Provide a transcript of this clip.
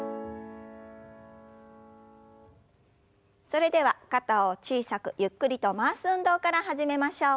それでは肩を小さくゆっくりと回す運動から始めましょう。